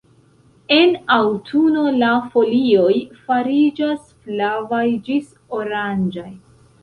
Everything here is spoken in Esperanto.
En aŭtuno la folioj fariĝas flavaj ĝis oranĝaj.